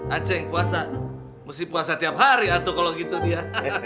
ah ceng puasa mesti puasa tiap hari ya tuh kalo gitu dia